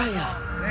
ねえ。